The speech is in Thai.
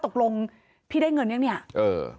ตกลงพี่ได้เงินยังไง